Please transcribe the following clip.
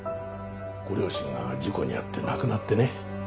ご両親が事故に遭って亡くなってね。